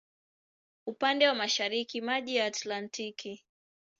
Upande wa mashariki maji ya Atlantiki.